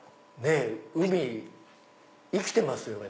海生きてますよね。